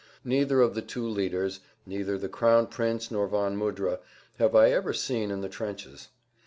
Neither of the two leaders, neither the Crown Prince nor von Mudra, have I ever seen in the trenches.